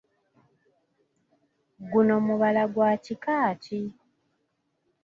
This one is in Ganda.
Guno mubala gwa kika ki ?